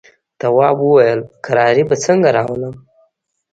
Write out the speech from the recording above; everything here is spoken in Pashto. تواب وويل: کراري به څنګه راولم.